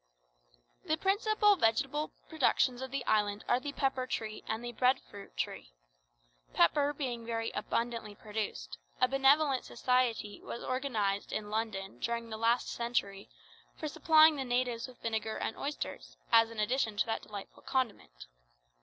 "The principal vegetable productions of the island are the pepper tree and the bread fruit tree. Pepper being very abundantly produced, a benevolent society was organized in London during the last century for supplying the natives with vinegar and oysters, as an addition to that delightful condiment.